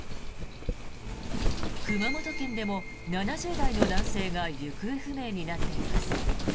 熊本県でも７０代の男性が行方不明になっています。